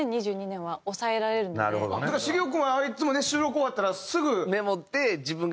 だから茂雄君はいっつもね収録終わったらすぐ。